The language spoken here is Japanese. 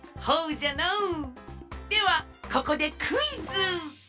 ではここでクイズ！